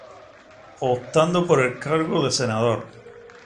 Optando por el cargo de Senador.